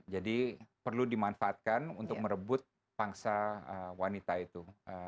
jadi perlu dimanfaatkan untuk merebut bangsa wanita itu